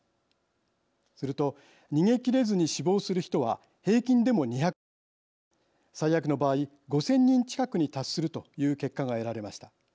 すると逃げきれずに死亡する人は平均でも２００人前後最悪の場合５，０００人近くに達するという結果が得られました。